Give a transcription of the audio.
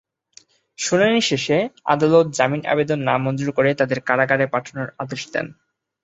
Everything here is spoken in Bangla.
শুনানি শেষে আদালত জামিন আবেদন নামঞ্জুর করে তাঁদের কারাগারে পাঠানোর আদেশ দেন।